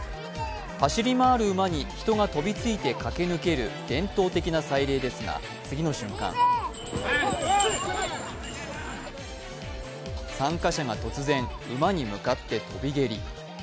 走り回る馬に人が飛びついて駆け抜ける伝統的な祭礼ですが次の瞬間参加者が突然、馬に向かって飛び蹴り。